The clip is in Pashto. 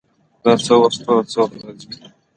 ځوانان د سیاست په ډګر کي د بدلون راوستونکي دي.